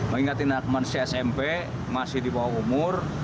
mengingat inatman csmp masih di bawah umur